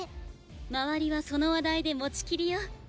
周りはその話題で持ちきりよ。